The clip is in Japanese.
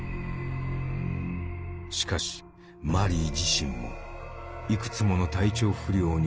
しかしマリー自身もいくつもの体調不良に襲われていた。